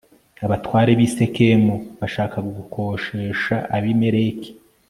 abatware b'i sikemu bashaka gukoshesha abimeleki